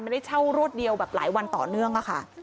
ได้เช่ารวดเดียวแบบหลายวันต่อเนื่องค่ะ